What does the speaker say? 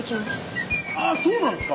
あっそうなんですか。